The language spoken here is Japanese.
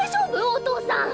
お父さん。